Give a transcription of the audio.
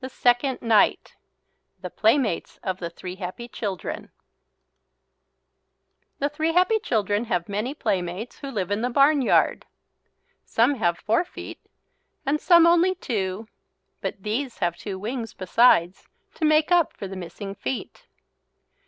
SECOND NIGHT THE PLAYMATES OF THE THREE HAPPY CHILDREN The three happy children have many playmates, who live in the barnyard. Some have four feet and some only two, but these have two wings besides to make up for the missing feet.